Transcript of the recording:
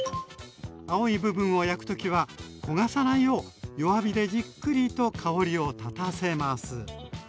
青い部分を焼く時は焦がさないよう弱火でじっくりと香りを立たせます。